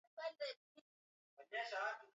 Dada anapita